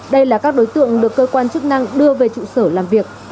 đây là các đối tượng được cơ quan chức năng đưa về trụ sở làm việc